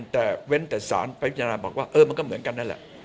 แต่เว้นแต่สารไปพิจารณาบอกว่าเออมันก็เหมือนกันนั่นแหละ